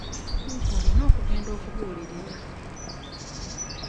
Olina okugenda okubuulirira.